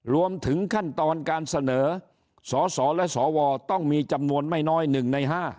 รวมถึงขั้นตอนการเสนอสสและสวต้องมีจำนวนไม่น้อย๑ใน๕